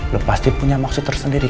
lo pasti punya maksud tersendiri